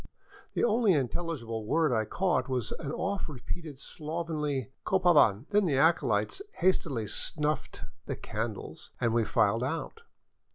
The only intelligible word I caught was an often repeated, slovenly " Co pavan." Then the acolytes hastily snuffed the candles, and we filed out.